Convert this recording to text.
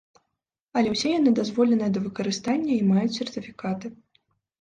Але ўсе яны дазволеныя да выкарыстання і маюць сертыфікаты.